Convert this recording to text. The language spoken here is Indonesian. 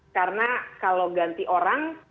karena kalau ganti orang